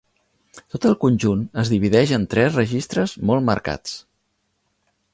Tot el conjunt es divideix en tres registres molt marcats.